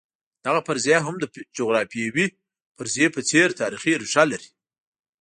دغه فرضیه هم د جغرافیوي فرضیې په څېر تاریخي ریښه لري.